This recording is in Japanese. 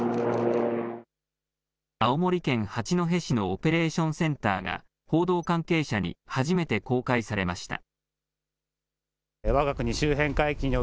青森県八戸市のオペレーションセンターが報道関係者に初めて公開されました。